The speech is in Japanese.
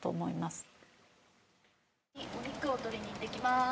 お肉を取りに行ってきます。